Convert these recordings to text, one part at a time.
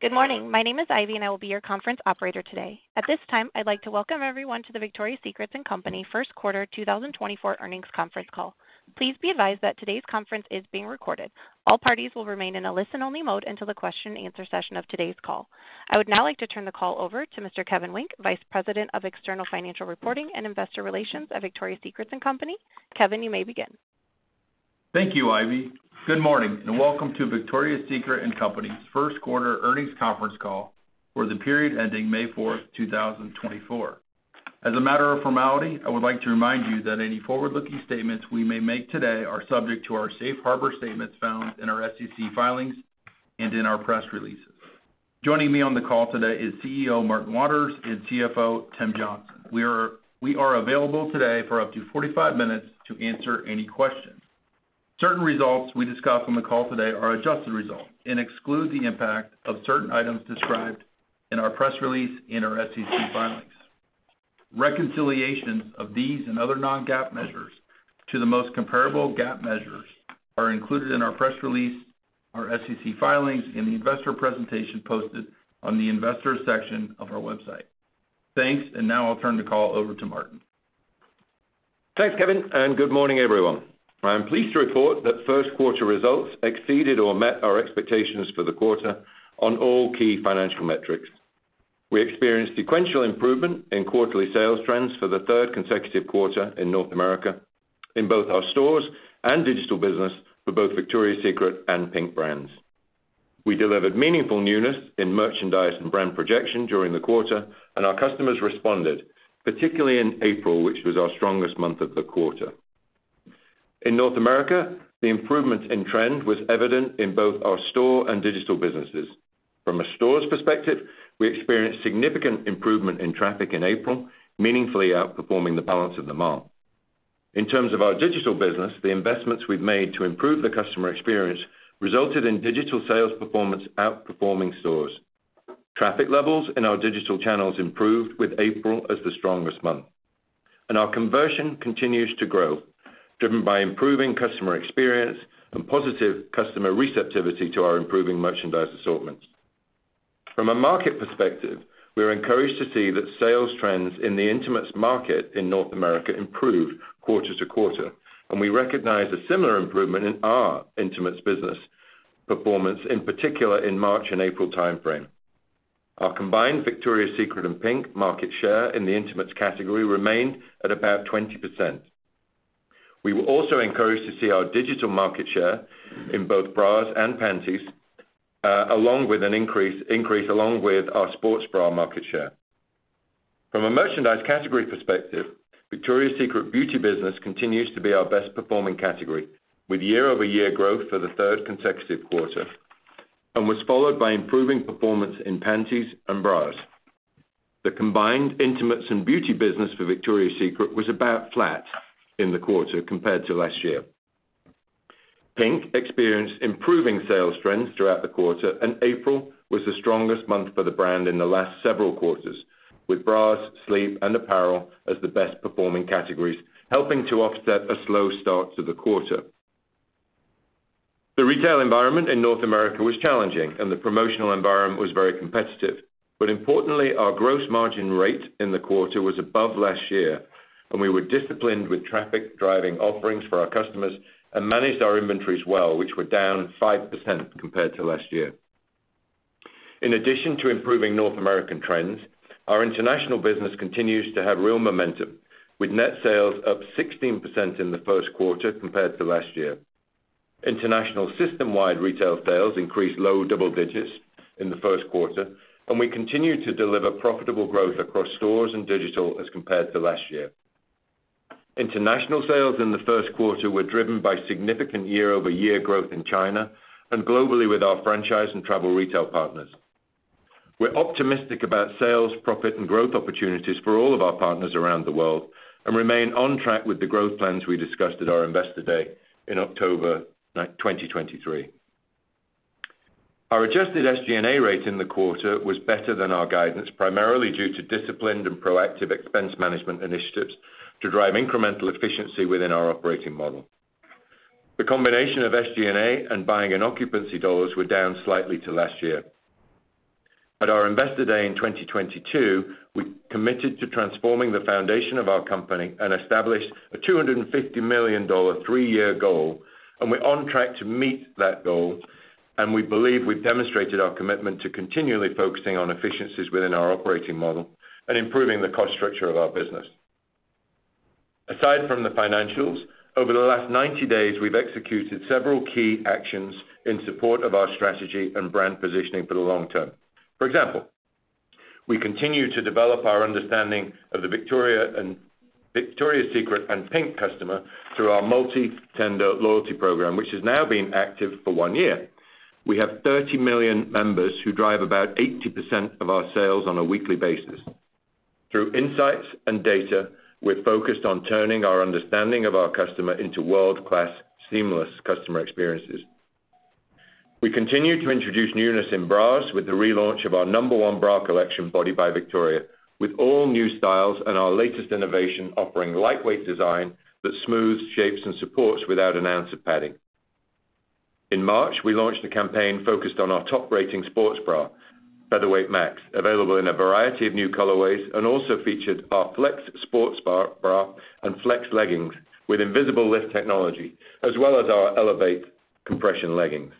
Good morning. My name is Ivy, and I will be your conference operator today. At this time, I'd like to welcome everyone to the Victoria's Secret and Co's first quarter 2024 earnings conference call. Please be advised that today's conference is being recorded. All parties will remain in a listen-only mode until the question and answer session of today's call. I would now like to turn the call over to Mr. Kevin Wynk, Vice President of External Financial Reporting and Investor Relations at Victoria's Secret and Company. Kevin, you may begin. Thank you, Ivy. Good morning, and welcome to Victoria's Secret & Co's first quarter earnings conference call for the period ending May 4, 2024. As a matter of formality, I would like to remind you that any forward-looking statements we may make today are subject to our safe harbor statements found in our SEC filings and in our press releases. Joining me on the call today is CEO Martin Waters, and CFO Tim Johnson. We are available today for up to 45 minutes to answer any questions. Certain results we discuss on the call today are adjusted results and exclude the impact of certain items described in our press release in our SEC filings. Reconciliations of these and other non-GAAP measures to the most comparable GAAP measures are included in our press release, our SEC filings, and the investor presentation posted on the investors section of our website. Thanks, and now I'll turn the call over to Martin. Thanks, Kevin, and good morning, everyone. I'm pleased to report that first quarter results exceeded or met our expectations for the quarter on all key financial metrics. We experienced sequential improvement in quarterly sales trends for the third consecutive quarter in North America in both our stores and digital business for both Victoria's Secret and PINK brands. We delivered meaningful newness in merchandise and brand projection during the quarter, and our customers responded, particularly in April, which was our strongest month of the quarter. In North America, the improvement in trend was evident in both our store and digital businesses. From a store's perspective, we experienced significant improvement in traffic in April, meaningfully outperforming the balance of the mall. In terms of our digital business, the investments we've made to improve the customer experience resulted in digital sales performance outperforming stores. Traffic levels in our digital channels improved, with April as the strongest month. Our conversion continues to grow, driven by improving customer experience and positive customer receptivity to our improving merchandise assortments. From a market perspective, we are encouraged to see that sales trends in the intimates market in North America improved quarter to quarter, and we recognize a similar improvement in our intimates business performance, in particular, in March and April timeframe. Our combined Victoria's Secret and PINK market share in the intimates category remained at about 20%. We were also encouraged to see our digital market share in both bras and panties, along with an increase along with our sports bra market share. From a merchandise category perspective, Victoria's Secret Beauty business continues to be our best-performing category, with year-over-year growth for the third consecutive quarter, and was followed by improving performance in panties and bras. The combined intimates and beauty business for Victoria's Secret was about flat in the quarter compared to last year. PINK experienced improving sales trends throughout the quarter, and April was the strongest month for the brand in the last several quarters, with bras, sleep, and apparel as the best-performing categories, helping to offset a slow start to the quarter. The retail environment in North America was challenging, and the promotional environment was very competitive. But importantly, our gross margin rate in the quarter was above last year, and we were disciplined with traffic-driving offerings for our customers and managed our inventories well, which were down 5% compared to last year. In addition to improving North American trends, our international business continues to have real momentum, with net sales up 16% in the first quarter compared to last year. International system-wide retail sales increased low double digits in the first quarter, and we continue to deliver profitable growth across stores and digital as compared to last year. International sales in the first quarter were driven by significant year-over-year growth in China and globally with our franchise and travel retail partners. We're optimistic about sales, profit, and growth opportunities for all of our partners around the world and remain on track with the growth plans we discussed at our Investor Day in October 9, 2023. Our adjusted SG&A rate in the quarter was better than our guidance, primarily due to disciplined and proactive expense management initiatives to drive incremental efficiency within our operating model. The combination of SG&A and buying and occupancy dollars were down slightly to last year. At our Investor Day in 2022, we committed to transforming the foundation of our company and established a $250 million three-year goal, and we're on track to meet that goal, and we believe we've demonstrated our commitment to continually focusing on efficiencies within our operating model and improving the cost structure of our business. Aside from the financials, over the last 90 days, we've executed several key actions in support of our strategy and brand positioning for the long term. For example, we continue to develop our understanding of the Victoria's Secret and PINK customers through our multi-tender loyalty program, which has now been active for one year. We have 30 million members who drive about 80% of our sales on a weekly basis. Through insights and data, we're focused on turning our understanding of our customers into world-class, seamless customer experiences. We continue to introduce newness in bras with the relaunch of our number one bra collection, Body by Victoria, with all new styles and our latest innovation, offering lightweight design that smooths, shapes, and supports without an ounce of padding. In March, we launched a campaign focused on our top-rating sports bra, Featherweight Max, available in a variety of new colorways, and also featured our Flex sports bra and Flex leggings with Invisible Lift technology, as well as our Elevate compression leggings.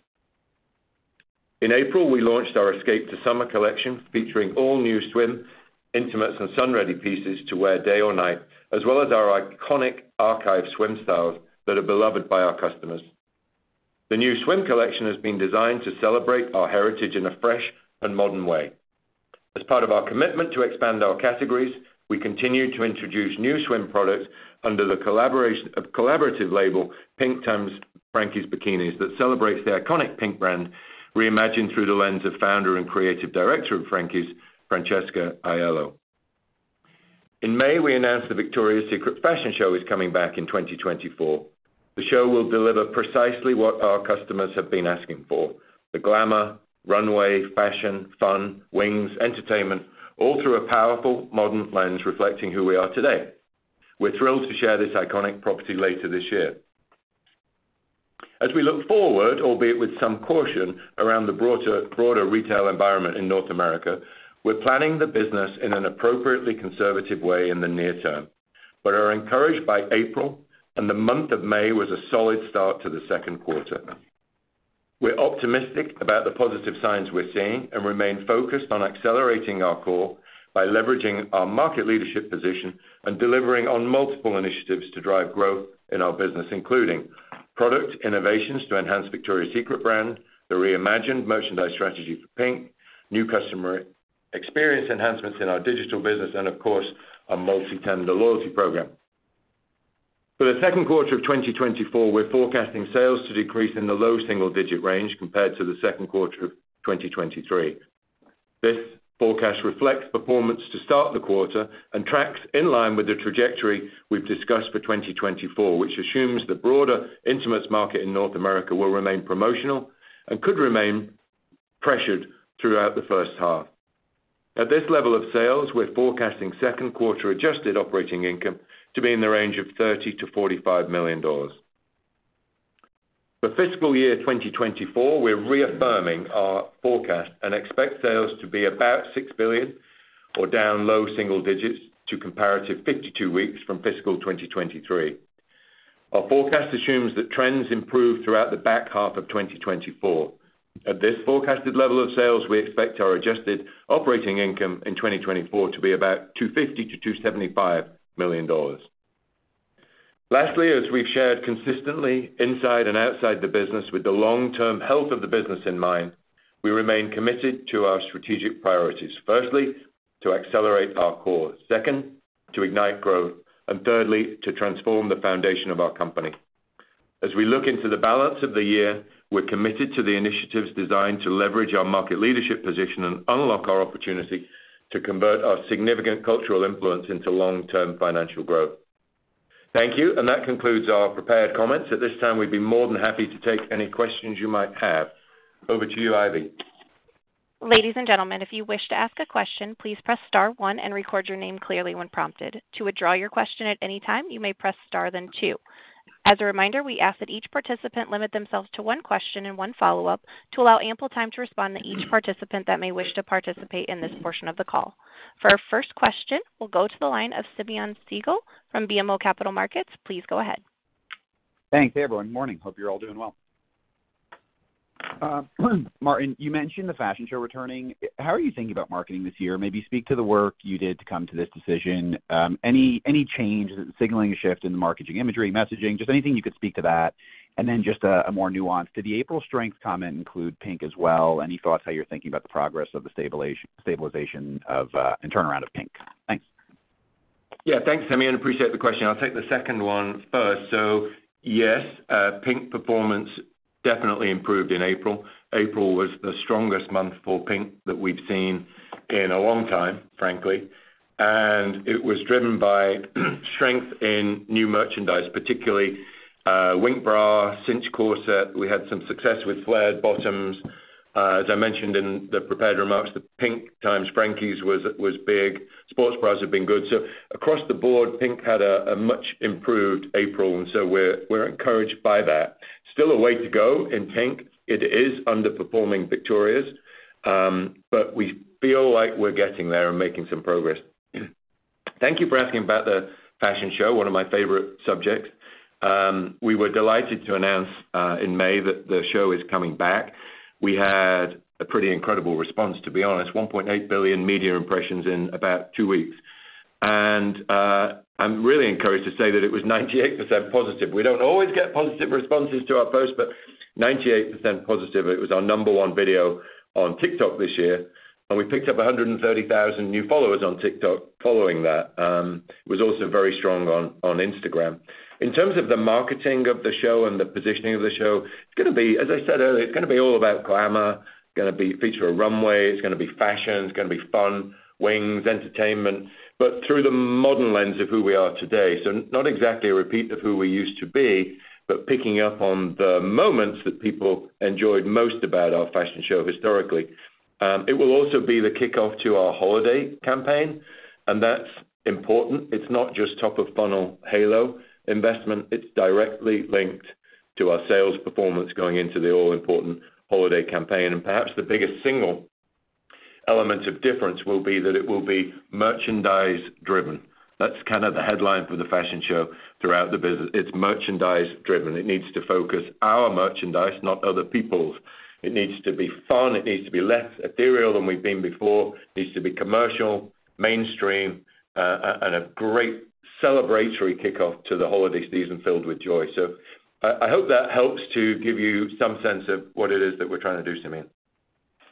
In April, we launched our Escape to Summer collection, featuring all-new swim, intimates, and sun-ready pieces to wear day or night, as well as our iconic archive swim styles that are beloved by our customers. The new swim collection has been designed to celebrate our heritage in a fresh and modern way. As part of our commitment to expand our categories, we continue to introduce new swim products under the collaborative label PINK x Frankies Bikinis, that celebrates the iconic PINK brand, reimagined through the lens of founder and creative director of Frankies Bikinis, Francesca Aiello. In May, we announced the Victoria's Secret Fashion Show is coming back in 2024. The show will deliver precisely what our customers have been asking for: the glamour, runway, fashion, fun, wings, entertainment, all through a powerful modern lens, reflecting who we are today. We're thrilled to share this iconic property later this year. As we look forward, albeit with some caution around the broader retail environment in North America, we're planning the business in an appropriately conservative way in the near term, but are encouraged by April, and the month of May was a solid start to the second quarter. We're optimistic about the positive signs we're seeing and remain focused on accelerating our core by leveraging our market leadership position and delivering on multiple initiatives to drive growth in our business, including product innovations to enhance Victoria's Secret brand, the reimagined merchandise strategy for PINK, new customer experience enhancements in our digital business, and of course, our multi-tender loyalty program. For the second quarter of 2024, we're forecasting sales to decrease in the low single-digit range compared to the second quarter of 2023. This forecast reflects performance to start the quarter and tracks in line with the trajectory we've discussed for 2024, which assumes the broader intimates market in North America will remain promotional and could remain pressured throughout the first half. At this level of sales, we're forecasting second-quarter adjusted operating income to be in the range of $30 million-$45 million. For fiscal year 2024, we're reaffirming our forecast and expect sales to be about $6 billion or down low single-digits to comparative 52 weeks from fiscal 2023. Our forecast assumes that trends improve throughout the back half of 2024. At this forecasted level of sales, we expect our adjusted operating income in 2024 to be about $250 million-$275 million. Lastly, as we've shared consistently inside and outside the business, with the long-term health of the business in mind, we remain committed to our strategic priorities. Firstly, to accelerate our core. Second, to ignite growth. And thirdly, to transform the foundation of our company. As we look into the balance of the year, we're committed to the initiatives designed to leverage our market leadership position and unlock our opportunity to convert our significant cultural influence into long-term financial growth. Thank you, and that concludes our prepared comments. At this time, we'd be more than happy to take any questions you might have. Over to you, Ivy. Ladies and gentlemen, if you wish to ask a question, please press star one and record your name clearly when prompted. To withdraw your question at any time, you may press star, then two. As a reminder, we ask that each participant limit themselves to one question and one follow-up to allow ample time to respond to each participant that may wish to participate in this portion of the call. For our first question, we'll go to the line of Simeon Siegel from BMO Capital Markets. Please go ahead. Thanks. Hey, everyone. Morning. Hope you're all doing well. Martin, you mentioned the fashion show returning. How are you thinking about marketing this year? Maybe speak to the work you did to come to this decision. Any change that's signaling a shift in the marketing imagery, messaging, just anything you could speak to that. And then just a more nuanced: Did the April strength comment include PINK as well? Any thoughts how you're thinking about the progress of the stabilization of, and turnaround of PINK? Thanks. Yeah, thanks, Simeon. Appreciate the question. I'll take the second one first. So yes, PINK performance definitely improved in April. April was the strongest month for PINK that we've seen in a long time, frankly, and it was driven by strength in new merchandise, particularly, Wink bra, Cinch corset. We had some success with flared bottoms. As I mentioned in the prepared remarks, the PINK x Frankies was big. Sports bras have been good. So across the board, PINK had a much improved April, and so we're encouraged by that. Still a way to go in PINK. It is underperforming Victoria's, but we feel like we're getting there and making some progress. Thank you for asking about the fashion show, one of my favorite subjects. We were delighted to announce in May that the show is coming back. We had a pretty incredible response, to be honest, 1.8 billion media impressions in about two weeks. And, I'm really encouraged to say that it was 98% positive. We don't always get positive responses to our posts, but 98% positive. It was our number one video on TikTok this year, and we picked up 130,000 new followers on TikTok following that. It was also very strong on Instagram. In terms of the marketing of the show and the positioning of the show, it's gonna be, as I said earlier, it's gonna be all about glamour, gonna be- feature a runway, it's gonna be fashion, it's gonna be fun, wings, entertainment, but through the modern lens of who we are today. So not exactly a repeat of who we used to be, but picking up on the moments that people enjoyed most about our fashion show historically. It will also be the kickoff to our holiday campaign, and that's important. It's not just top-of-funnel halo investment; it's directly linked to our sales performance going into the all-important holiday campaign. And perhaps the biggest single element of difference will be that it will be merchandise-driven. That's kind of the headline for the fashion show throughout the business. It's merchandise-driven. It needs to focus our merchandise, not other people's. It needs to be fun, it needs to be less ethereal than we've been before, it needs to be commercial, mainstream, and a great celebratory kickoff to the holiday season filled with joy. So I hope that helps to give you some sense of what it is that we're trying to do, Simeon.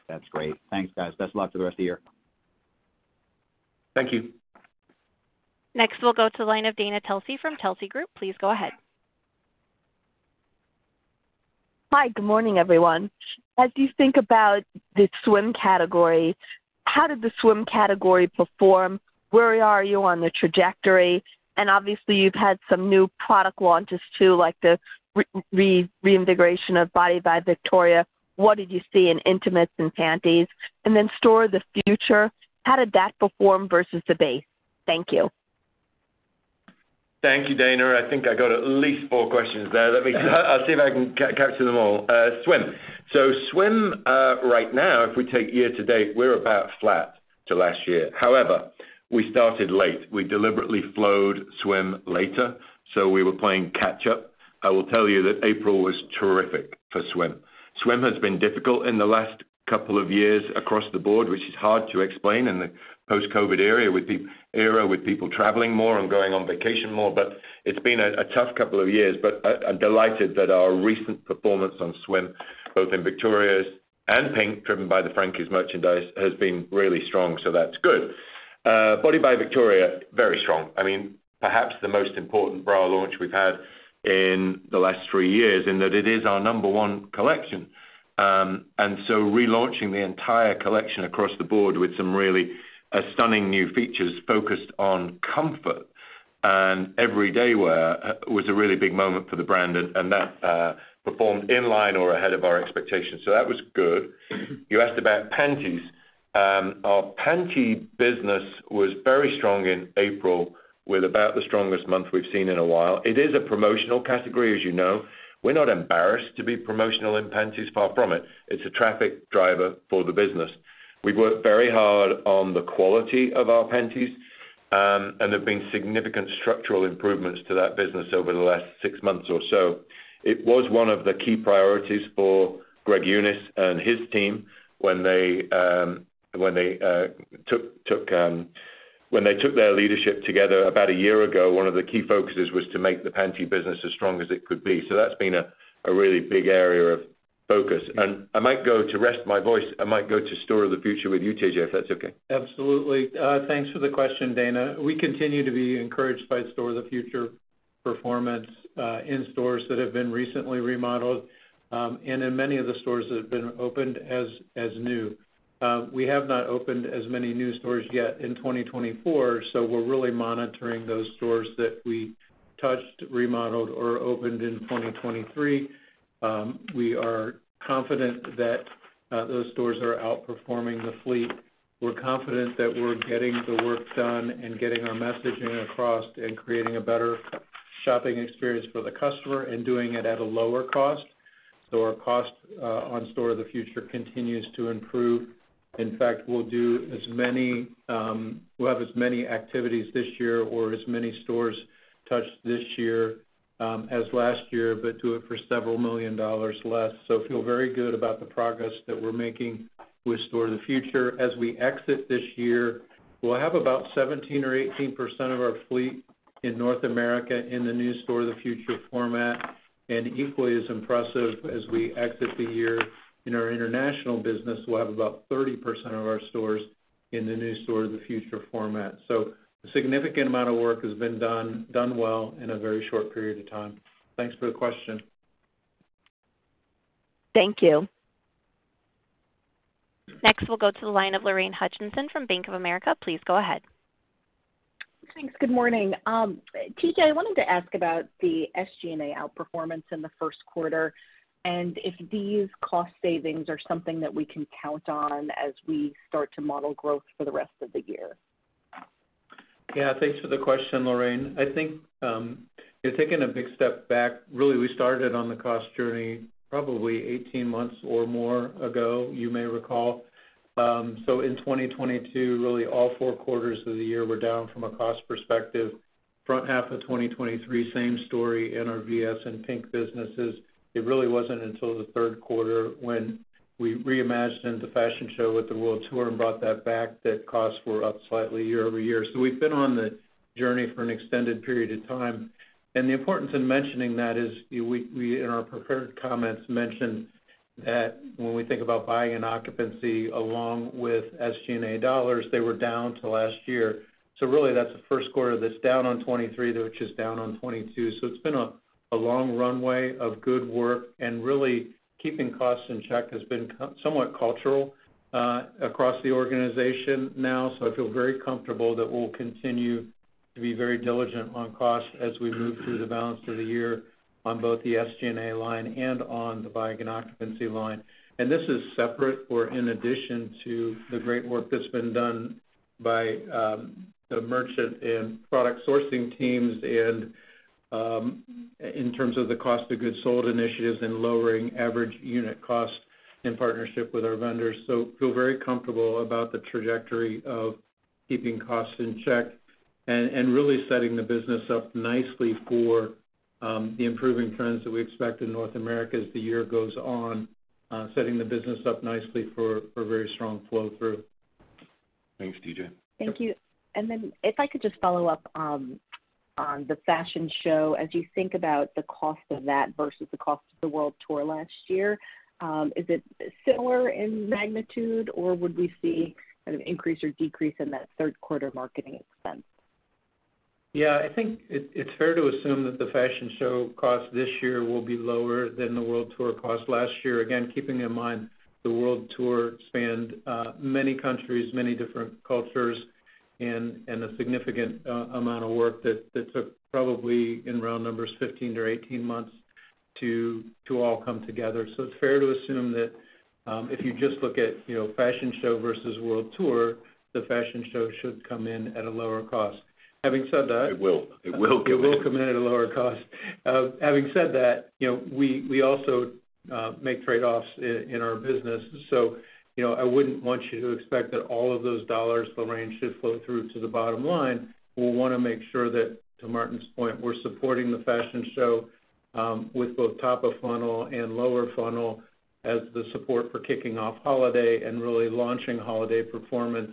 That's great. Thanks, guys. Best of luck for the rest of the year. Thank you. Next, we'll go to the line of Dana Telsey from Telsey Advisory Group. Please go ahead. Hi, good morning, everyone. As you think about the swim category, how did the swim category perform? Where are you on the trajectory? And obviously, you've had some new product launches, too, like the reintegration of Body by Victoria. What did you see in intimates and panties? And then Store of the Future, how did that perform versus the base? Thank you. Thank you, Dana. I think I got at least four questions there. Let me see if I can capture them all. Swim. So swim, right now, if we take year to date, we're about flat to last year. However, we started late. We deliberately flowed swim later, so we were playing catch up. I will tell you that April was terrific for swim. Swim has been difficult in the last couple of years across the board, which is hard to explain in the post-COVID era, with people traveling more and going on vacation more. But it's been a tough couple of years, but I'm delighted that our recent performance on swim, both in Victoria's and PINK, driven by the Frankies merchandise, has been really strong, so that's good. Body by Victoria, very strong. I mean, perhaps the most important bra launch we've had in the last three years, in that it is our number one collection. Relaunching the entire collection across the board with some really stunning new features focused on comfort and everyday wear was a really big moment for the brand, and that performed in line or ahead of our expectations. So that was good. You asked about panties. Our panty business was very strong in April, with about the strongest month we've seen in a while. It is a promotional category, as you know. We're not embarrassed to be promotional in panties, far from it. It's a traffic driver for the business. We've worked very hard on the quality of our panties, and there have been significant structural improvements to that business over the last six months or so. It was one of the key priorities for Greg Unis and his team when they took their leadership together about a year ago, one of the key focuses was to make the panty business as strong as it could be. So that's been a really big area of focus. And to rest my voice, I might go to Store of the Future with you, TJ, if that's okay. Absolutely. Thanks for the question, Dana. We continue to be encouraged by Store of the Future performance in stores that have been recently remodeled, and in many of the stores that have been opened as new. We have not opened as many new stores yet in 2024, so we're really monitoring those stores that we touched, remodeled, or opened in 2023. We are confident that those stores are outperforming the fleet. We're confident that we're getting the work done and getting our messaging across and creating a better shopping experience for the customer and doing it at a lower cost. So our cost on Store of the Future continues to improve. In fact, we'll do as many, we'll have as many activities this year or as many stores touched this year, as last year, but do it for several million dollar less. So feel very good about the progress that we're making with Store of the Future. As we exit this year, we'll have about 17% or 18% of our fleet in North America in the new Store of the Future format. And equally as impressive, as we exit the year in our international business, we'll have about 30% of our stores in the new Store of the Future format. So a significant amount of work has been done, done well in a very short period of time. Thanks for the question. Thank you. Next, we'll go to the line of Lorraine Hutchinson from Bank of America. Please go ahead. Thanks. Good morning. TJ, I wanted to ask about the SG&A outperformance in the first quarter and if these cost savings are something that we can count on as we start to model growth for the rest of the year. Yeah, thanks for the question, Lorraine. I think, taking a big step back, really, we started on the cost journey probably 18 months or more ago, you may recall. So in 2022, really, all four quarters of the year were down from a cost perspective. Front half of 2023, same story in our VS and PINK businesses. It really wasn't until the third quarter, when we reimagined the fashion show with the world tour and brought that back, that costs were up slightly year-over-year. So we've been on the journey for an extended period of time. And the importance of mentioning that is, we, we, in our prepared comments, mentioned that when we think about buying and occupancy, along with SG&A dollars, they were down to last year. So really, that's the first quarter that's down on 2023, which is down on 2022. So it's been a long runway of good work, and really keeping costs in check has been somewhat cultural across the organization now. So I feel very comfortable that we'll continue to be very diligent on cost as we move through the balance of the year on both the SG&A line and on the buying and occupancy line. And this is separate or in addition to the great work that's been done by the merchant and product sourcing teams and in terms of the cost of goods sold initiatives and lowering average unit cost in partnership with our vendors. So feel very comfortable about the trajectory of keeping costs in check and really setting the business up nicely for the improving trends that we expect in North America as the year goes on, setting the business up nicely for very strong flow-through. Thanks, TJ. Thank you. And then, if I could just follow up on the fashion show. As you think about the cost of that versus the cost of the world tour last year, is it similar in magnitude, or would we see kind of increase or decrease in that third quarter marketing expense? Yeah, I think it's fair to assume that the fashion show cost this year will be lower than the world tour cost last year. Again, keeping in mind, the world tour spanned many countries, many different cultures, and a significant amount of work that took, probably in round numbers, 15-18 months to all come together. So it's fair to assume that, if you just look at, you know, fashion show versus world tour, the fashion show should come in at a lower cost. Having said that- It will. It will come in. It will come in at a lower cost. Having said that, you know, we also make trade-offs in our business. So, you know, I wouldn't want you to expect that all of those dollars will range to flow through to the bottom line. We'll wanna make sure that, to Martin's point, we're supporting the fashion show with both top of funnel and lower funnel as the support for kicking off the holiday and really launching holiday performance,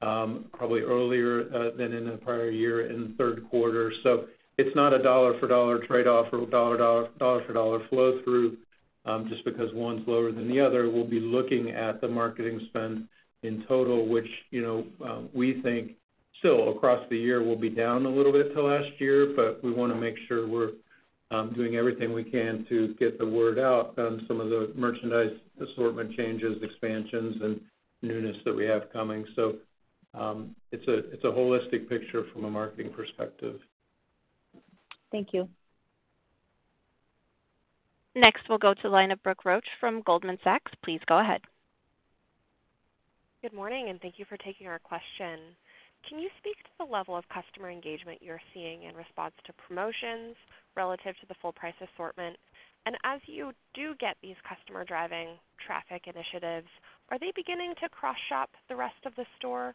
probably earlier than in the prior year in the third quarter. So it's not a dollar-for-dollar trade-off or dollar-for-dollar flow-through, just because one's lower than the other. We'll be looking at the marketing spend in total, which, you know, we think still, across the year, will be down a little bit to last year, but we wanna make sure we're, doing everything we can to get the word out on some of the merchandise assortment changes, expansions, and newness that we have coming. So, it's a, it's a holistic picture from a marketing perspective. Thank you. Next, we'll go to the line of Brooke Roach from Goldman Sachs. Please go ahead. Good morning, and thank you for taking our question. Can you speak to the level of customer engagement you're seeing in response to promotions relative to the full price assortment? As you do get these customer-driving traffic initiatives, are they beginning to cross-shop the rest of the store?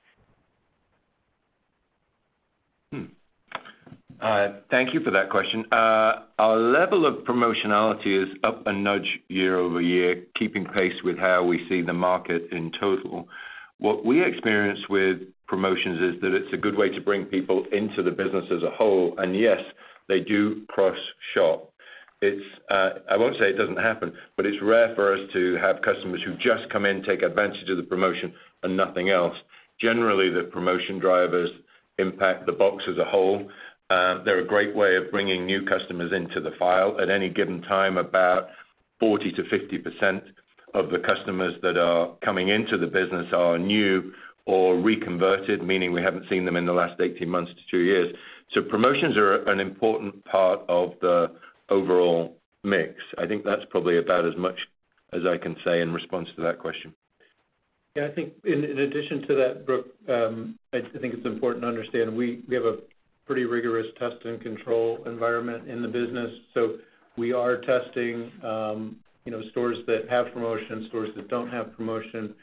Thank you for that question. Our level of promotionality is up a nudge year-over-year, keeping pace with how we see the market in total. What we experience with promotions is that it's a good way to bring people into the business as a whole. And yes, they do cross-shop. It's. I won't say it doesn't happen, but it's rare for us to have customers who just come in, take advantage of the promotion, and nothing else. Generally, the promotion drivers impact the box as a whole. They're a great way of bringing new customers into the file. At any given time, about 40%-50% of the customers that are coming into the business are new or reconverted, meaning we haven't seen them in the last 18 months to 2 years. So promotions are an important part of the overall mix. I think that's probably about as much as I can say in response to that question. Yeah, I think in, in addition to that, Brooke, I think it's important to understand, we, we have a pretty rigorous test and control environment in the business. So we are testing, you know, stores that have promotion, stores that don't have promotion,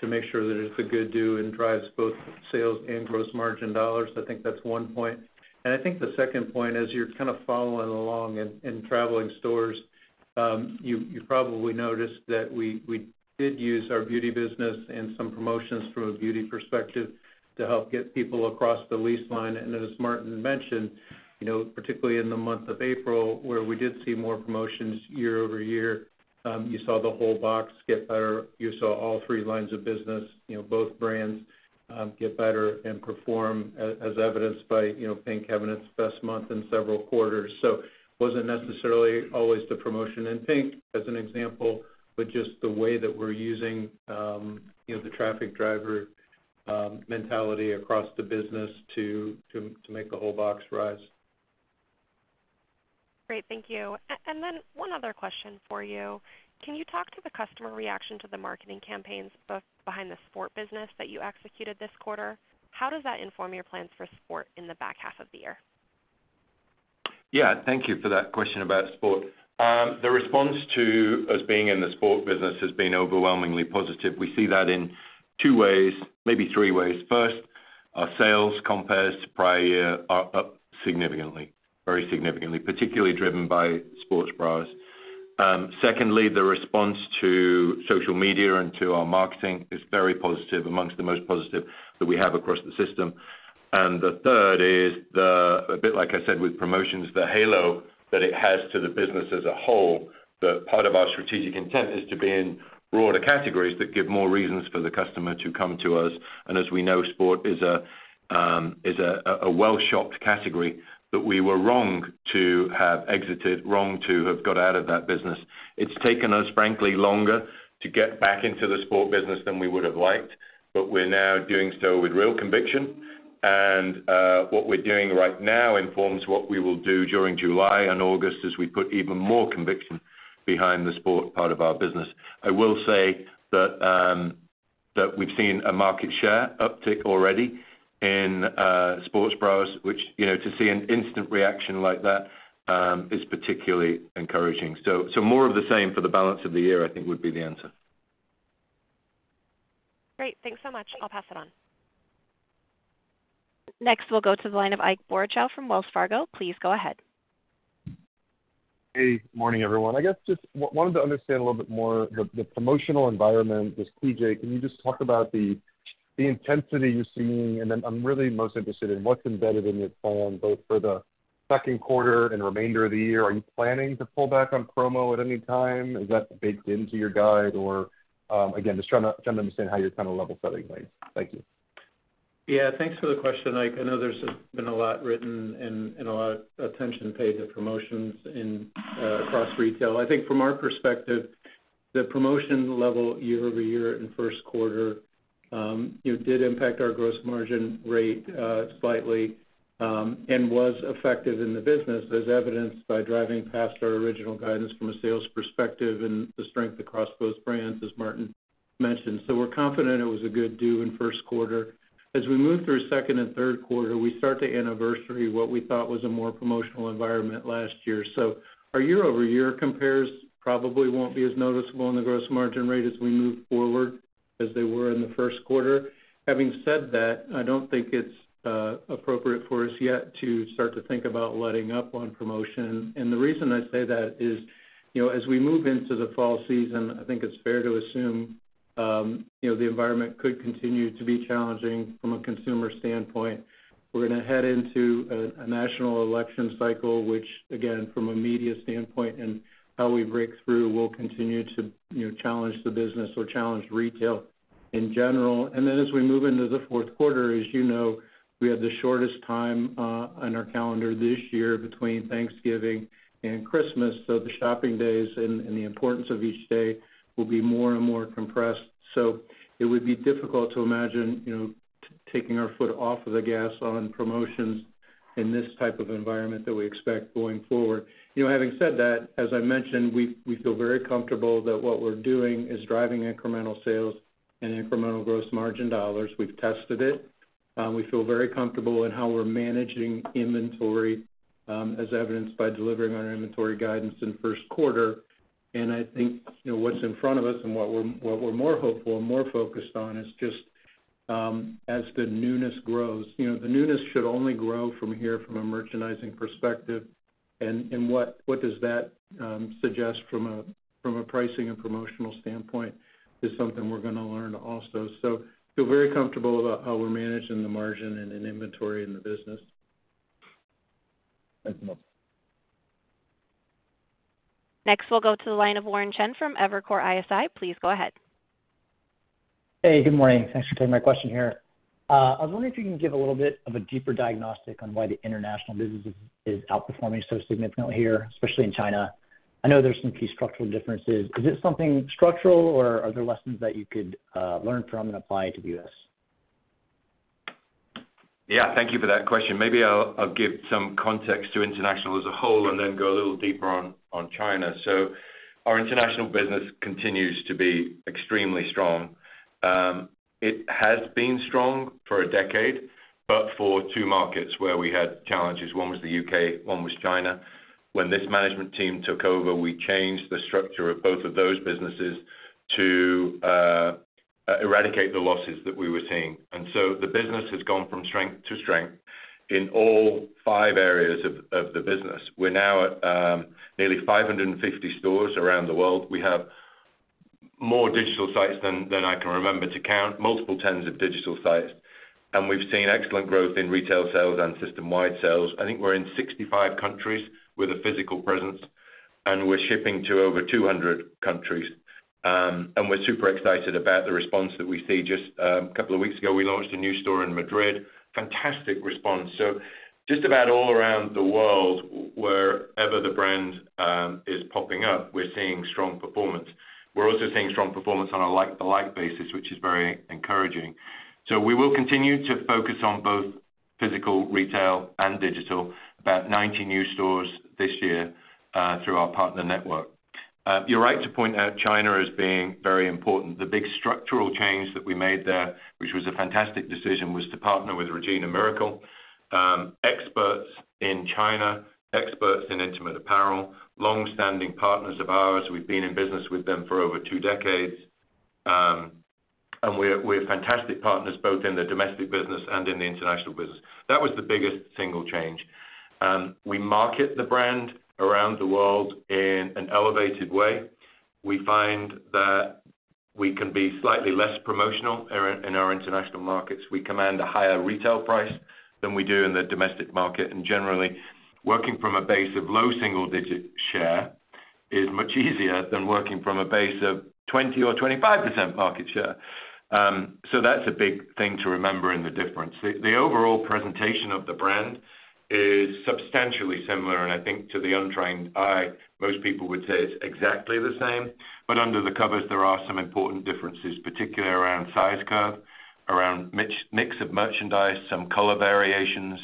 to make sure that it's a good do and drives both sales and gross margin dollars. I think that's one point. And I think the second point, as you're kind of following along and, and traveling stores, you, you probably noticed that we, we did use our beauty business and some promotions from a beauty perspective to help get people across the lease line. And as Martin mentioned, you know, particularly in the month of April, where we did see more promotions year-over-year, you saw the whole box get better. You saw all three lines of business, you know, both brands, get better and perform as evidenced by, you know, PINK having its best month in several quarters. So it wasn't necessarily always the promotion in PINK, as an example, but just the way that we're using, you know, the traffic driver mentality across the business to make the whole box rise. Great, thank you. And then one other question for you: Can you talk to the customer reaction to the marketing campaigns, both behind the sport business that you executed this quarter? How does that inform your plans for sport in the back half of the year? Yeah, thank you for that question about sports. The response to us being in the sports business has been overwhelmingly positive. We see that in two ways, maybe three ways. First, our sales comps to prior year are up significantly, very significantly, particularly driven by sports bras. Secondly, the response to social media and to our marketing is very positive, among the most positive that we have across the system. And the third is a bit like I said with promotions, the halo that it has to the business as a whole, that part of our strategic intent is to be in broader categories that give more reasons for the customer to come to us. And as we know, sports is a well-shopped category that we were wrong to have exited, wrong to have got out of that business. It's taken us, frankly, longer to get back into the sport business than we would have liked, but we're now doing so with real conviction. And what we're doing right now informs what we will do during July and August as we put even more conviction behind the sport part of our business. I will say that we've seen a market share uptick already in sports bras, which, you know, to see an instant reaction like that, is particularly encouraging. So more of the same for the balance of the year, I think would be the answer. Great. Thanks so much. I'll pass it on. Next, we'll go to the line of Ike Boruchow from Wells Fargo. Please go ahead. Hey, morning, everyone. I guess just wanted to understand a little bit more about the promotional environment this Q1. Can you just talk about the intensity you're seeing? And then I'm really most interested in what's embedded in your plan, both for the second quarter and the remainder of the year. Are you planning to pull back on promo at any time? Is that baked into your guide? Or, again, just trying to understand how you're kind of level setting things. Thank you. Yeah, thanks for the question, Ike. I know there's been a lot written and a lot of attention paid to promotions in across retail. I think from our perspective, the promotion level year-over-year in first quarter, it did impact our gross margin rate slightly and was effective in the business, as evidenced by driving past our original guidance from a sales perspective and the strength across both brands, as Martin mentioned. So we're confident it was a good Q1 in first quarter. As we move through the second and third quarters, we start to anniversary what we thought was a more promotional environment last year. So our year-over-year compares probably won't be as noticeable in the gross margin rate as we move forward as they were in the first quarter. Having said that, I don't think it's appropriate for us yet to start to think about letting up on promotion. And the reason I say that is, you know, as we move into the fall season, I think it's fair to assume, you know, the environment could continue to be challenging from a consumer standpoint. We're gonna head into a national election cycle, which again, from a media standpoint and how we break through, will continue to, you know, challenge the business or challenge retail in general. And then as we move into the fourth quarter, as you know, we have the shortest time on our calendar this year between Thanksgiving and Christmas, so the shopping days and the importance of each day will be more and more compressed. So it would be difficult to imagine, you know, taking our foot off of the gas on promotions in this type of environment that we expect going forward. You know, having said that, as I mentioned, we feel very comfortable that what we're doing is driving incremental sales and incremental gross margin dollars. We've tested it. We feel very comfortable in how we're managing inventory, as evidenced by delivering on our inventory guidance in first quarter. I think, you know, what's in front of us and what we're more hopeful and more focused on is just, as the newness grows, you know, the newness should only grow from here from a merchandising perspective, and what does that suggest from a pricing and promotional standpoint is something we're gonna learn also. So feel very comfortable about how we're managing the margin and in inventory in the business. Thanks a lot. Next, we'll go to the line of Warren Cheng from Evercore ISI. Please go ahead. Hey, good morning. Thanks for taking my question here. I was wondering if you can give a little bit of a deeper diagnostic on why the international business is, is outperforming so significantly here, especially in China. I know there's some key structural differences. Is it something structural, or are there lessons that you could learn from and apply to the U.S.? Yeah, thank you for that question. Maybe I'll, I'll give some context to international as a whole and then go a little deeper on, on China. So our international business continues to be extremely strong. It has been strong for a decade, but for two markets where we had challenges, one was the U.K., and one was China. When this management team took over, we changed the structure of both of those businesses to eradicate the losses that we were seeing. And so the business has gone from strength to strength in all five areas of, of the business. We're now at nearly 550 stores around the world. We have more digital sites than, than I can remember to count, multiple tens of digital sites, and we've seen excellent growth in retail sales and system-wide sales. I think we're in 65 countries with a physical presence, and we're shipping to over 200 countries. We're super excited about the response that we see. Just a couple of weeks ago, we launched a new store in Madrid. Fantastic response. So just about all around the world, wherever the brand is popping up, we're seeing strong performance. We're also seeing strong performance on a like-for-like basis, which is very encouraging. So we will continue to focus on both physical retail and digital, about 90 new stores this year through our partner network. You're right to point out China as being very important. The big structural change that we made there, which was a fantastic decision, was to partner with Regina Miracle, experts in China, experts in intimate apparel, long-standing partners of ours. We've been in business with them for over two decades, and we're fantastic partners both in the domestic business and in the international business. That was the biggest single change. We market the brand around the world in an elevated way. We find that we can be slightly less promotional in our international markets. We command a higher retail price than we do in the domestic market, and generally, working from a base of low single-digit share is much easier than working from a base of 20% or 25% market share. So that's a big thing to remember in the difference. The overall presentation of the brand is substantially similar, and I think to the untrained eye, most people would say it's exactly the same. But under the covers, there are some important differences, particularly around size curve, around mix of merchandise, some color variations,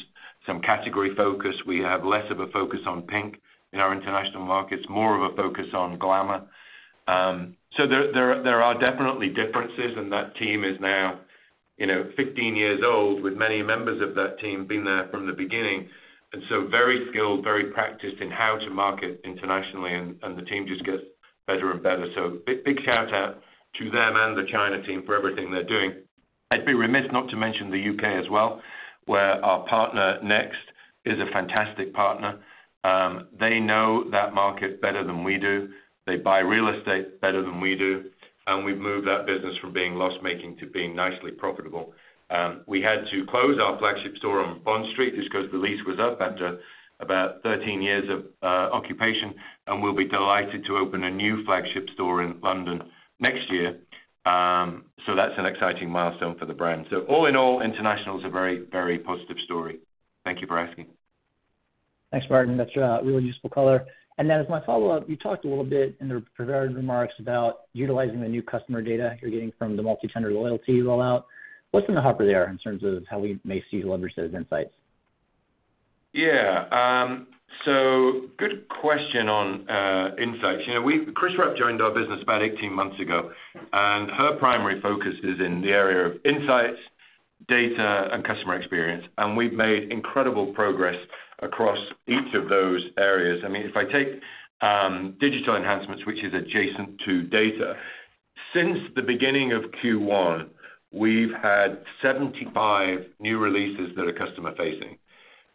some category focus. We have less of a focus on PINK in our international markets, more of a focus on glamour. So there are definitely differences, and that team is now, you know, 15 years old, with many members of that team being there from the beginning, and so very skilled, very practiced in how to market internationally, and the team just gets better and better. So big, big shout-out to them and the China team for everything they're doing. I'd be remiss not to mention the U.K. as well, where our partner, Next, is a fantastic partner. They know that market better than we do. They buy real estate better than we do, and we've moved that business from being loss-making to being nicely profitable. We had to close our flagship store on Bond Street, just 'cause the lease was up after about 13 years of occupation, and we'll be delighted to open a new flagship store in London next year. So that's an exciting milestone for the brand. So all in all, international is a very, very positive story. Thank you for asking. Thanks, Martin. That's a really useful color. And then, as my follow-up, you talked a little bit in the prepared remarks about utilizing the new customer data you're getting from the multi-tender loyalty rollout. What's in the hopper there in terms of how we may see you leverage those insights? Yeah, so good question on insights. You know, we, Chris Rupp joined our business about 18 months ago, and her primary focus is in the area of insights, data, and customer experience, and we've made incredible progress across each of those areas. I mean, if I take digital enhancements, which is adjacent to data, since the beginning of Q1, we've had 75 new releases that are customer-facing.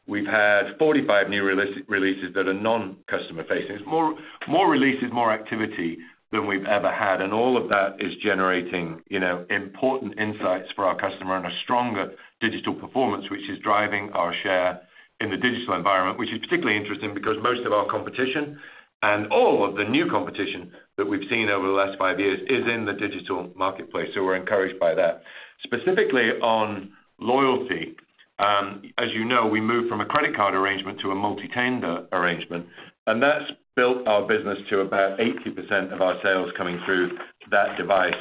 We've had 45 new releases that are non-customer facing. It's more releases, more activity than we've ever had, and all of that is generating, you know, important insights for our customer and a stronger digital performance, which is driving our share in the digital environment, which is particularly interesting because most of our competition and all of the new competition that we've seen over the last five years is in the digital marketplace, so we're encouraged by that. Specifically on loyalty, as you know, we moved from a credit card arrangement to a multi-tender arrangement, and that's built our business to about 80% of our sales coming through that device.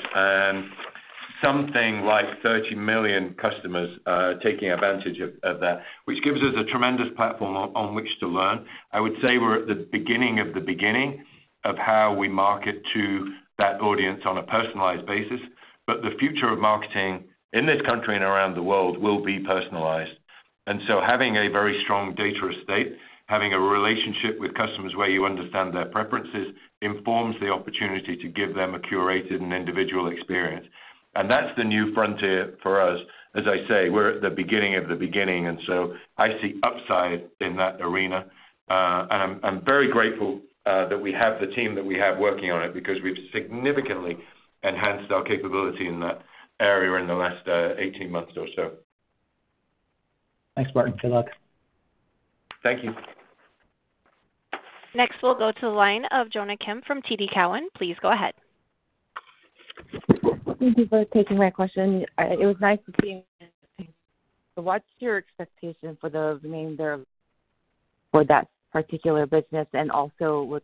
Something like 30 million customers taking advantage of that, which gives us a tremendous platform on which to learn. I would say we're at the beginning of the beginning of how we market to that audience on a personalized basis, but the future of marketing in this country and around the world will be personalized. So having a very strong data estate, having a relationship with customers where you understand their preferences, informs the opportunity to give them a curated and individual experience. That's the new frontier for us. As I say, we're at the beginning of the beginning, and so I see upside in that arena. And I'm very grateful that we have the team that we have working on it, because we've significantly enhanced our capability in that area in the last 18 months or so. Thanks, Martin. Good luck. Thank you. Next, we'll go to the line of Jonna Kim from TD Cowen. Please go ahead. Thank you for taking my question. It was nice to see you. So what's your expectation for the remainder of for that particular business? And also, would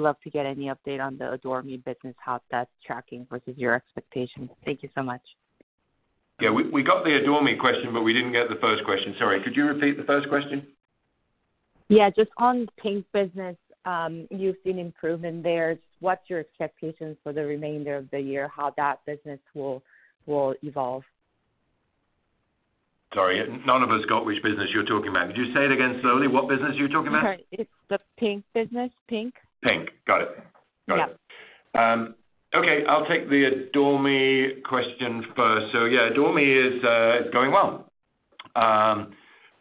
love to get any update on the Adore Me business, how that's tracking versus your expectations. Thank you so much. Yeah, we, we got the Adore Me question, but we didn't get the first question. Sorry, could you repeat the first question? Yeah, just on Pink business, you've seen improvement there. What's your expectations for the remainder of the year, how that business will evolve? Sorry, none of us got which business you're talking about. Could you say it again slowly? What business are you talking about? Sorry, it's the PINK business. PINK. PINK. Got it. Yep. Got it. Okay, I'll take the Adore Me question first. So yeah, Adore Me is going well.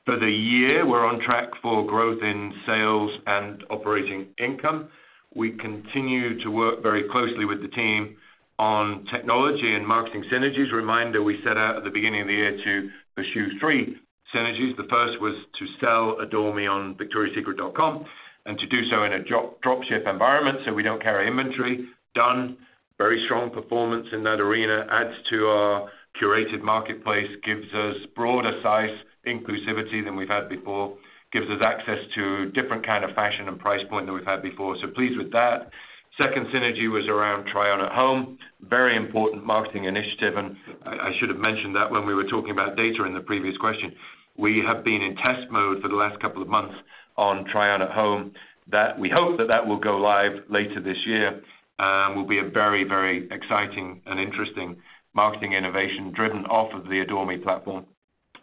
For the year, we're on track for growth in sales and operating income. We continue to work very closely with the team on technology and marketing synergies. Reminder, we set out at the beginning of the year to pursue three synergies. The first was to sell Adore Me on VictoriasSecret.com, and to do so in a drop ship environment, so we don't carry inventory. Done. Very strong performance in that arena, adds to our curated marketplace, gives us broader size inclusivity than we've had before, gives us access to different kind of fashion and price point than we've had before. So pleased with that. Second synergy was around try-on-at-home, very important marketing initiative, and I, I should have mentioned that when we were talking about data in the previous question. We have been in test mode for the last couple of months on try-on-at-home, that we hope that that will go live later this year, will be a very, very exciting and interesting marketing innovation driven off of the Adore Me platform.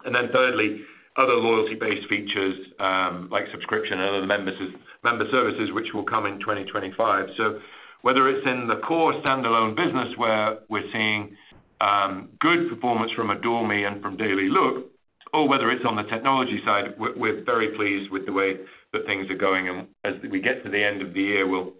And then thirdly, other loyalty-based features, like subscription and other member services, which will come in 2025. So whether it's in the core standalone business, where we're seeing good performance from Adore Me and from Dailylook, or whether it's on the technology side, we're, we're very pleased with the way that things are going. As we get to the end of the year, we'll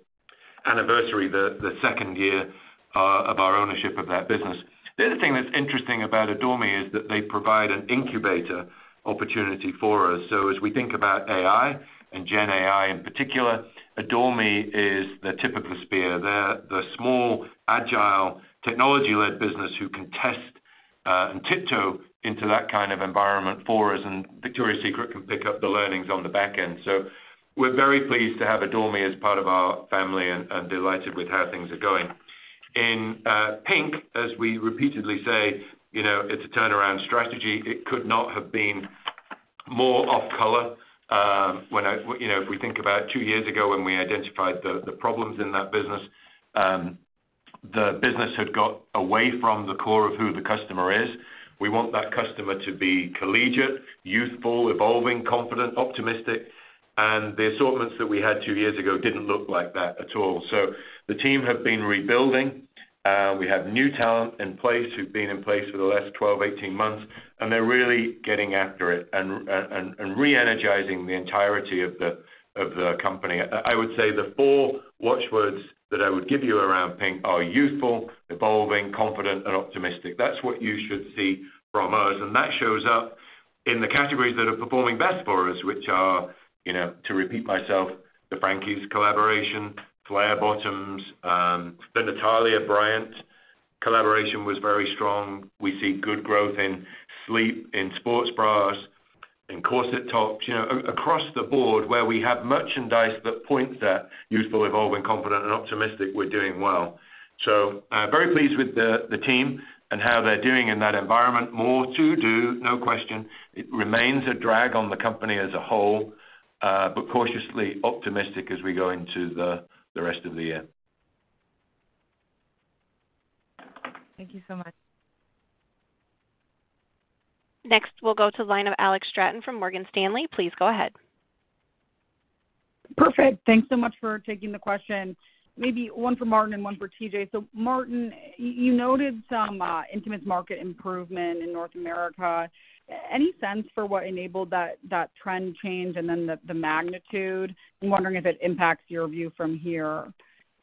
anniversary the second year of our ownership of that business. The other thing that's interesting about Adore Me is that they provide an incubator opportunity for us. So as we think about AI and Gen AI, in particular, Adore Me is the tip of the spear. They're the small, agile, technology-led business who can test and tiptoe into that kind of environment for us, and Victoria's Secret can pick up the learnings on the back end. So we're very pleased to have Adore Me as part of our family and delighted with how things are going. In PINK, as we repeatedly say, you know, it's a turnaround strategy. It could not have been more off color, when I, you know, if we think about two years ago, when we identified the problems in that business, the business had got away from the core of who the customer is. We want that customer to be collegiate, youthful, evolving, confident, optimistic, and the assortments that we had two years ago didn't look like that at all. So the team have been rebuilding, we have new talent in place who've been in place for the last 12, 18 months, and they're really getting after it and re-energizing the entirety of the company. I would say the four watch words that I would give you around PINK are youthful, evolving, confident, and optimistic. That's what you should see from us, and that shows up in the categories that are performing best for us, which are, you know, to repeat myself, the Frankies collaboration, flare bottoms, the Natalia Bryant collaboration was very strong. We see good growth in sleep, in sports bras, in corset tops, you know, across the board where we have merchandise that points at youthful, evolving, confident, and optimistic, we're doing well. So, very pleased with the team and how they're doing in that environment. More to do, no question. It remains a drag on the company as a whole, but cautiously optimistic as we go into the rest of the year. Thank you so much. Next, we'll go to the line of Alex Straton from Morgan Stanley. Please go ahead. Perfect. Thanks so much for taking the question. Maybe one for Martin and one for TJ. So Martin, you noted some intimate market improvement in North America. Any sense for what enabled that trend change and then the magnitude? I'm wondering if it impacts your view from here.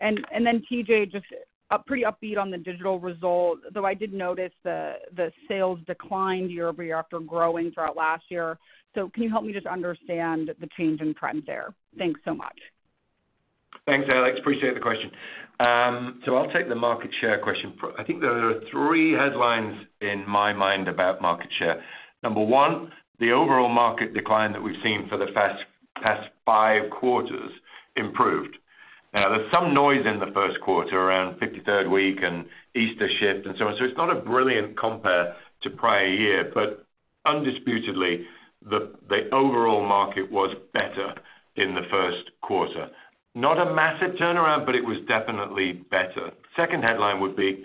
And then TJ, just a pretty upbeat on the digital result, though I did notice the sales declined year-over-year after growing throughout last year. So, can you help me just understand the change in trends there? Thanks so much. Thanks, Alex. Appreciate the question. So I'll take the market share question first. I think there are three headlines in my mind about market share. Number one, the overall market decline that we've seen for the past five quarters improved. Now, there's some noise in the first quarter around the 53rd week and Easter shift and so on, so it's not a brilliant compare to prior year, but undisputedly, the overall market was better in the first quarter. Not a massive turnaround, but it was definitely better. Second headline would be,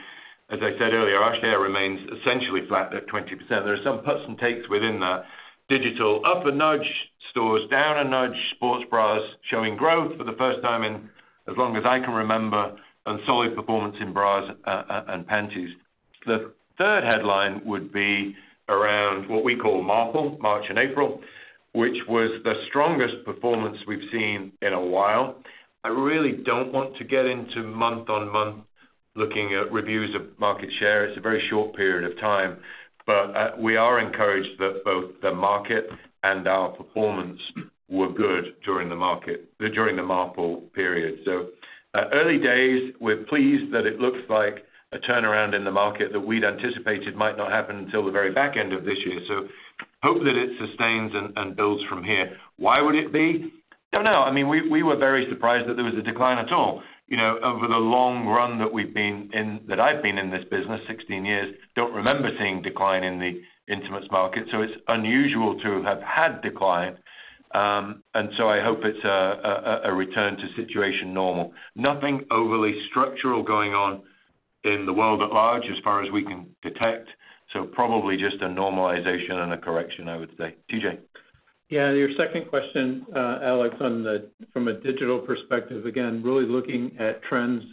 as I said earlier, our share remains essentially flat at 20%. There are some puts and takes within that. Digital, up a nudge, stores down a nudge, sports bras showing growth for the first time in as long as I can remember, and solid performance in bras and panties. The third headline would be around what we call Marpril, March and April, which was the strongest performance we've seen in a while. I really don't want to get into month-on-month looking at reviews of market share. It's a very short period of time, but we are encouraged that both the market and our performance were good during the Marpril period. So early days, we're pleased that it looks like a turnaround in the market that we'd anticipated might not happen until the very back end of this year. So hope that it sustains and builds from here. Why would it be? Don't know. I mean, we were very surprised that there was a decline at all, you know, over the long run that we've been in, that I've been in this business, 16 years, don't remember seeing decline in the intimates market, so it's unusual to have had a decline. And so I hope it's a return to the situation normal. Nothing overly structural going on in the world at large as far as we can detect, so probably just a normalization and a correction, I would say. TJ? Yeah, your second question, Alex, from a digital perspective, again, really looking at trends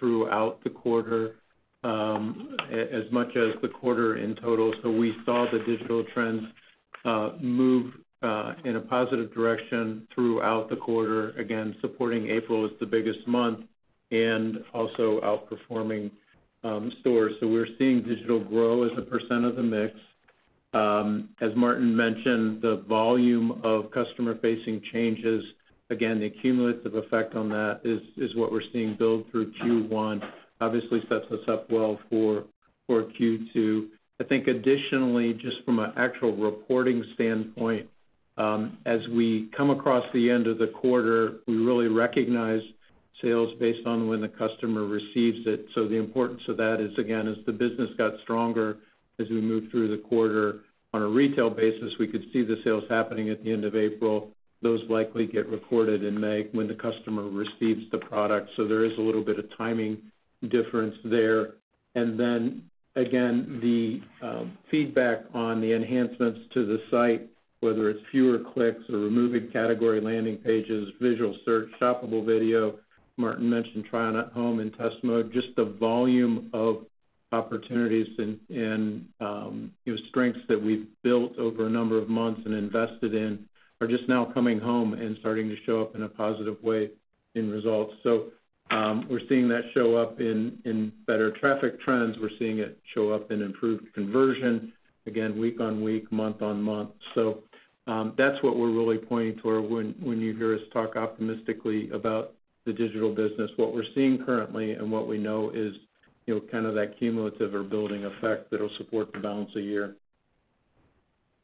throughout the quarter, as much as the quarter in total. So we saw the digital trends move in a positive direction throughout the quarter, again, supporting April as the biggest month and also outperforming stores. So we're seeing digital grow as a percent of the mix. As Martin mentioned, the volume of customer-facing changes, again, the cumulative effect on that is what we're seeing build through Q1, obviously sets us up well for Q2. I think additionally, just from an actual reporting standpoint, as we come across the end of the quarter, we really recognize sales based on when the customer receives it. So the importance of that is, again, as the business got stronger, as we moved through the quarter on a retail basis, we could see the sales happening at the end of April. Those likely get recorded in May when the customer receives the product. So there is a little bit of timing difference there. And then, again, the feedback on the enhancements to the site, whether it's fewer clicks or removing category landing pages, visual search, shoppable video, Martin mentioned try-on-at-home and test mode, just the volume of opportunities and, you know, strengths that we've built over a number of months and invested in are just now coming home and starting to show up in a positive way in results. So- We're seeing that show up in better traffic trends. We're seeing it show up in improved conversion, again, week-on-week, month-on-month. So, that's what we're really pointing toward when you hear us talk optimistically about the digital business. What we're seeing currently and what we know is, you know, kind of that cumulative or building effect that'll support the balance of the year.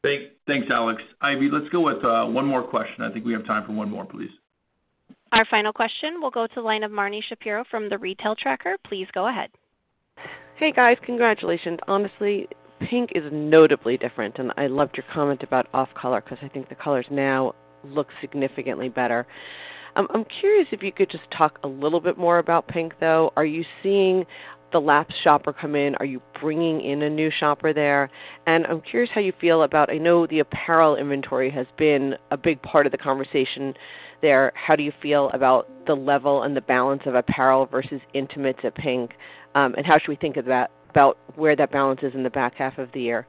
Great. Thanks, Alex. Ivy, let's go with one more question. I think we have time for one more, please. Our final question will go to the line of Marni Shapiro from The Retail Tracker. Please go ahead. Hey, guys. Congratulations. Honestly, PINK is notably different, and I loved your comment about off color because I think the colors now look significantly better. I'm curious if you could just talk a little bit more about PINK, though. Are you seeing the lapsed shopper come in? Are you bringing in a new shopper there? And I'm curious how you feel about. I know the apparel inventory has been a big part of the conversation there. How do you feel about the level and the balance of apparel versus intimates at PINK? And how should we think of that, about where that balance is in the back half of the year?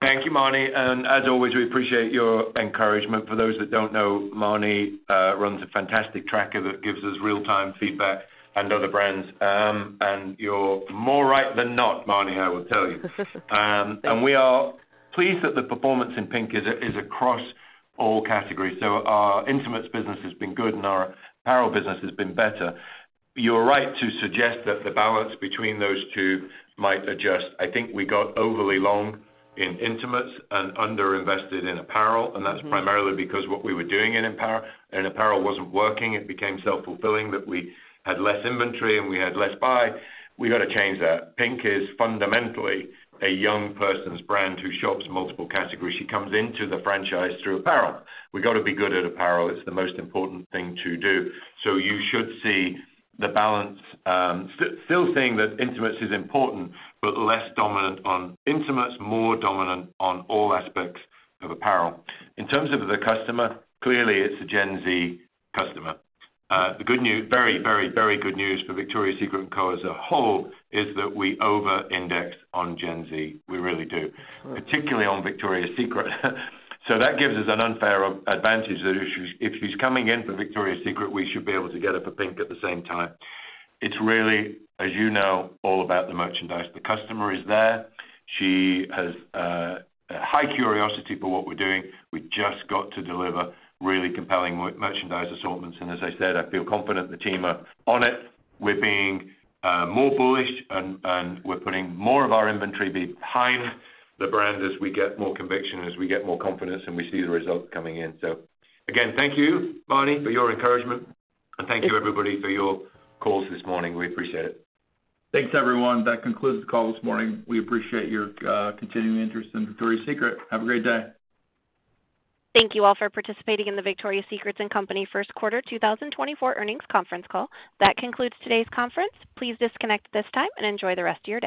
Thank you, Marni, and as always, we appreciate your encouragement. For those that don't know, Marni runs a fantastic tracker that gives us real-time feedback on other brands. And you're more right than not, Marni, I will tell you. And we are pleased that the performance in PINK is across all categories. So our intimates business has been good, and our apparel business has been better. You're right to suggest that the balance between those two might adjust. I think we got overly long in intimates and underinvested in apparel, and that's primarily because what we were doing in apparel wasn't working. It became self-fulfilling that we had less inventory, and we had less buy. We've got to change that. PINK is fundamentally a young person's brand who shops multiple categories. She comes into the franchise through apparel. We've got to be good at apparel. It's the most important thing to do. So you should see the balance, still saying that intimates is important, but less dominant on intimates, more dominant on all aspects of apparel. In terms of the customer, clearly, it's a Gen Z customer. The good, very, very, very good news for Victoria's Secret & Co as a whole is that we over-index on Gen Z. We really do, particularly on Victoria's Secret. So that gives us an unfair advantage, that if she's, if she's coming in for Victoria's Secret, we should be able to get her for PINK at the same time. It's really, as you know, all about the merchandise. The customer is there. She has a high curiosity for what we're doing. We've just got to deliver really compelling merchandise assortments, and as I said, I feel confident the team are on it. We're being more bullish, and we're putting more of our inventory behind the brand as we get more conviction, as we get more confidence, and we see the results coming in. So again, thank you, Marni, for your encouragement, and thank you, everybody, for your calls this morning. We appreciate it. Thanks, everyone. That concludes the call this morning. We appreciate your continuing interest in Victoria's Secret. Have a great day. Thank you all for participating in the Victoria's Secret & Co first quarter 2024 earnings conference call. That concludes today's conference. Please disconnect at this time and enjoy the rest of your day.